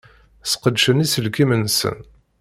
Sqedcen iselkimen-nsen.